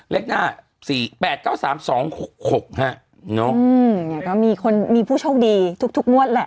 เลขหน้า๔๘๙๓๒๖๖ฮะอืมเนี้ยก็มีคนมีผู้โชคดีทุกทุกมวดแหละ